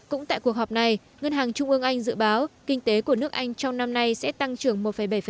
cũng tại cuộc họp này ngân hàng trung ương anh dự báo kinh tế của nước anh trong năm nay sẽ tăng trưởng một bảy